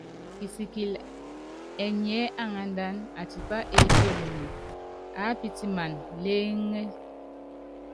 Kisikili anyiɛ́ aŋándána, atipá eépe nunɔ, aápítimana lééŋé.